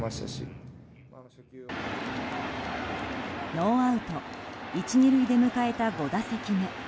ノーアウト１、２塁で迎えた５打席目。